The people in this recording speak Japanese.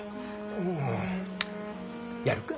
うんやるか。